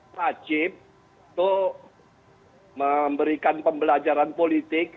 wajib untuk memberikan pembelajaran politik